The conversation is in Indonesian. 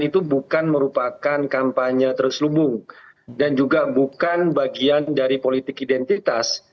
itu bukan merupakan kampanye terselubung dan juga bukan bagian dari politik identitas